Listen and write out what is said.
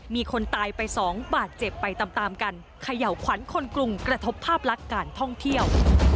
มีคนตายไปสองบาทเจ็บไปตามตามกันเขย่าขวัญคนกรุงกระทบภาพลักษณ์การท่องเที่ยว